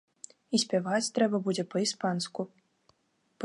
І спяваць трэба будзе па-іспанску.